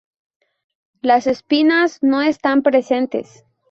Las espinas no están presentes.